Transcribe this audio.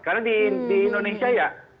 karena di indonesia ya